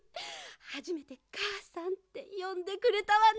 はじめて「かあさん」ってよんでくれたわね。